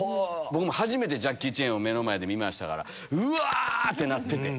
初めてジャッキー・チェンを目の前で見ましたからうわ！ってなってて。